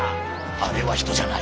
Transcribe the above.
あれは人じゃない！